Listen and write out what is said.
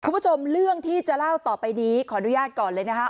คุณผู้ชมเรื่องที่จะเล่าต่อไปนี้ขออนุญาตก่อนเลยนะคะ